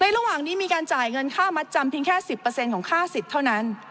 ระหว่างนี้มีการจ่ายเงินค่ามัดจำเพียงแค่๑๐ของค่าสิทธิ์เท่านั้น